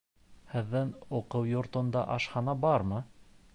Һеҙҙең уҡыу йортонда ашхана бармы?